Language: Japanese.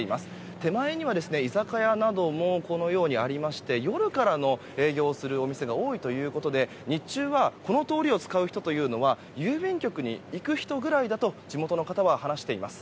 手前には居酒屋などもありまして夜から営業するお店が多いということで日中は、この通りを使う人は郵便局に行く人くらいだと地元の方は話しています。